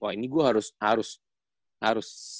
wah ini gua harus harus harus